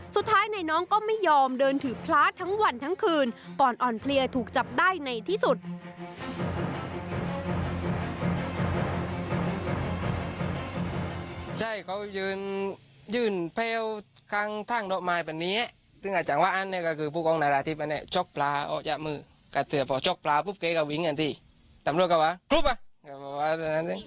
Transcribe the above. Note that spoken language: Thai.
สุดท้ายนายน้องก็ไม่ยอมเดินถือพระทั้งวันทั้งคืนก่อนอ่อนเพลียถูกจับได้ในที่สุด